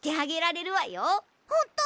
ほんと！？